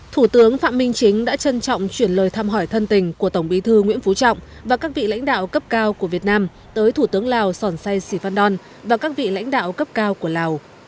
thủ tướng phạm minh chính đã trân trọng chuyển lời thăm hỏi thân tình của tổng bí thư nguyễn phú trọng và các vị lãnh đạo cấp cao của việt nam tới thủ tướng lào sòn sai sì phan đòn và các vị lãnh đạo cấp cao của lào